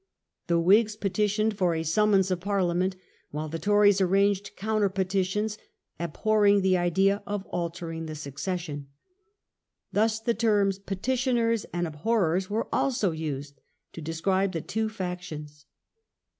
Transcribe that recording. The Whigs petitioned for a summons of Parliament, while the Tories arranged counter petitions "abhorring" the idea of altering the succession. Thus the terms "Petitioners" and "Abhorrers" were also used to describe the two factions.